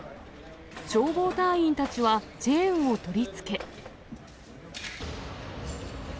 消防隊員たちはチェーンを取り付け。